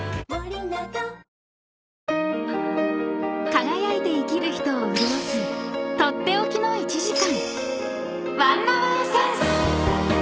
［輝いて生きる人を潤す取って置きの１時間］